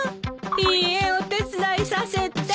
いいえお手伝いさせて。